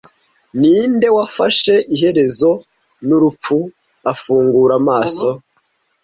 Ninde wafashe iherezo ni Urupfu. Afungura amaso